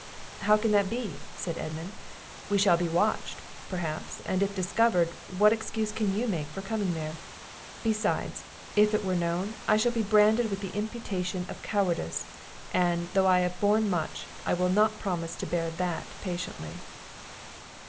"How can that be?" said Edmund; "we shall be watched, perhaps; and, if discovered, what excuse can you make for coming there? Beside, if it were known, I shall be branded with the imputation of cowardice; and, though I have borne much, I will not promise to bear that patiently."